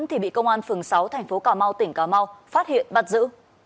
thì bị công an phường sáu thành phố cà mau tỉnh cà mau phát hiện bắt giữ